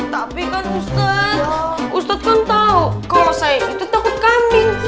tapi kan ustadz ustadz kan tahu kalau saya itu takut kambing